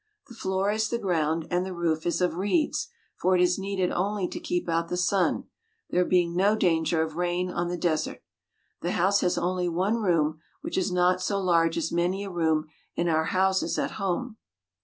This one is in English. The floor is the ground, and the roof is of reeds, for it is needed only to keep out the sun, there being no danger of rain on the desert. The house has only one room, which is not so large as many a room in our houses at home.